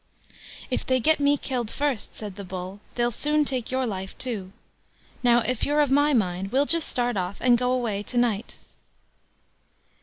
"If they get me killed first", said the Bull, "they'll soon take your life too. Now, if you're of my mind, we'll just start off, and go away to night."